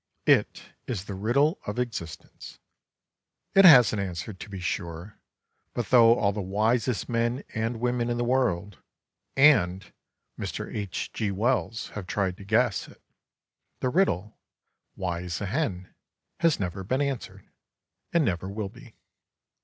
It is the riddle of existence. It has an answer, to be sure, but though all the wisest men and women in the world and Mr. H. G. Wells have tried to guess it, the riddle "Why is a hen?" has never been answered and never will be.